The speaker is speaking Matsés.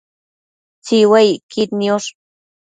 Tsiuecquid niosh